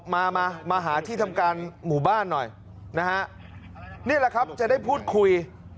มามาหาที่ทำการหมู่บ้านหน่อยนะฮะนี่แหละครับจะได้พูดคุย